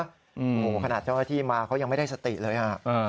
โอ้โหขนาดเจ้าหน้าที่มาเขายังไม่ได้สติเลยฮะ